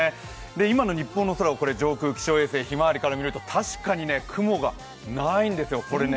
今の日本の空を上空、気象衛星ひまわりから見てみますと確かに雲がないんですよ。